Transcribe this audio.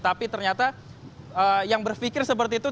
tapi ternyata yang berpikir seperti itu